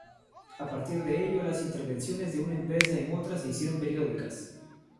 A partir de ello, las intervenciones de una empresa en otra se hicieron periódicas.